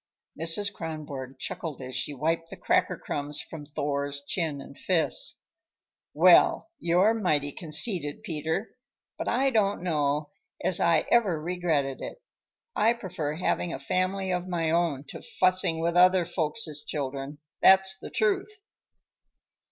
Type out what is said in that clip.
Mrs. Kronborg chuckled as she wiped the cracker crumbs from Thor's chin and fists. "Well, you're mighty conceited, Peter! But I don't know as I ever regretted it. I prefer having a family of my own to fussing with other folks' children, that's the truth."